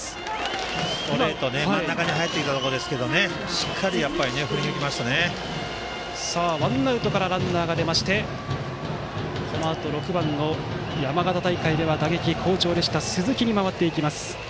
ストレートが真ん中に入ってきたところですけれどもワンアウトからランナーが出ましてこのあと６番山形大会では打撃好調でした鈴木に回っていきます。